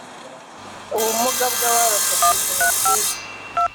ubumuga bw abarokotse jenoside